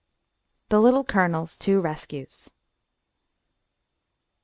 THE LITTLE COLONEL'S TWO RESCUES.